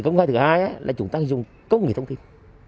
công khai thứ hai là chúng ta dùng công nghệ thông tin